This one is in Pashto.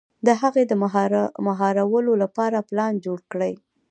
د هغې د مهارولو لپاره پلان جوړ کړي.